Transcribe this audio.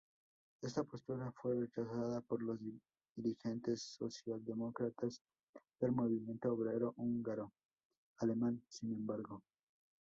Esta postura fue rechazada por los dirigentes socialdemócratas del movimiento obrero húngaro-alemán, sin embargo.